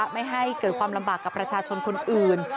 ไม่ให้เกิดความลำบากกับประชาชนคนอื่น